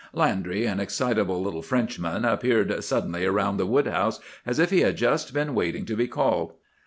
"Landry, an excitable little Frenchman, appeared suddenly around the woodhouse, as if he had just been waiting to be called.